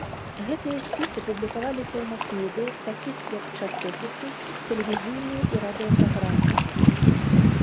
Гэтыя спісы публікаваліся ў мас-медыях, такіх як часопісы, тэлевізійныя і радыё-праграмы.